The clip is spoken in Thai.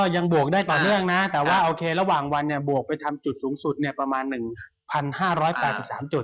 บวกได้ต่อเนื่องนะแต่ว่าโอเคระหว่างวันเนี่ยบวกไปทำจุดสูงสุดประมาณ๑๕๘๓จุด